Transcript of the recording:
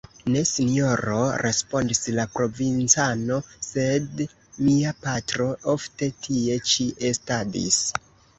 Ne, Sinjoro, respondis la provincano, sed mia patro ofte tie ĉi estadis.